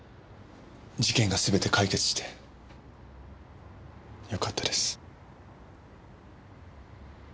事件がすべて解決してよかったです。